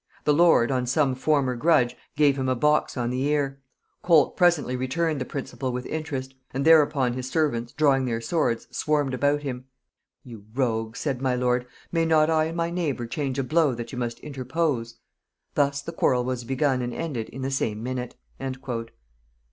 The lord, on some former grudge, gave him a box on the ear: Colt presently returned the principal with interest; and thereupon his servants drawing their swords, swarmed about him. 'You rogues,' said my lord, 'may not I and my neighbour change a blow but you must interpose?' Thus the quarrel was begun and ended in the same minute." [Note 37: "Worthies" in Herts.